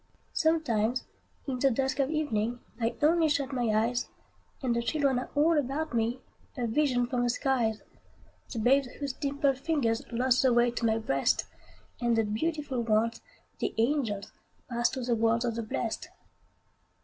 Sometimes, in the dusk of evening, I only shut my eyes, And the children are all about me, A vision from the skies: The babes whose dimpled fingers Lost the way to my breast, And the beautiful ones, the angels, Passed to the world of the blest.